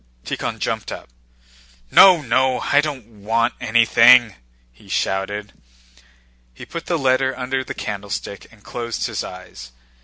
Tíkhon jumped up. "No, no, I don't want anything!" he shouted. He put the letter under the candlestick and closed his eyes.